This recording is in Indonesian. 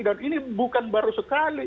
dan ini bukan baru sekali